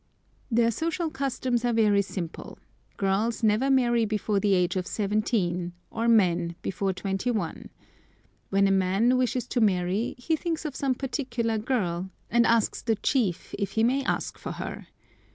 Their social customs are very simple. Girls never marry before the age of seventeen, or men before twenty one. When a man wishes to marry he thinks of some particular girl, and asks the chief if he may ask for her.